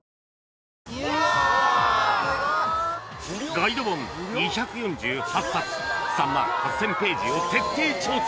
［ガイド本２４８冊３万８，０００ページを徹底調査］